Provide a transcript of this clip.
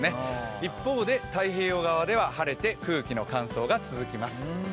一方で太平洋側では晴れて空気の乾燥が続きます。